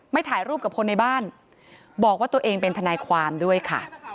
ถ่ายรูปกับคนในบ้านบอกว่าตัวเองเป็นทนายความด้วยค่ะ